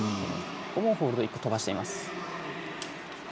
ホールドを１個飛ばしています。